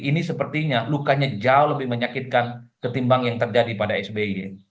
ini sepertinya lukanya jauh lebih menyakitkan ketimbang yang terjadi pada sby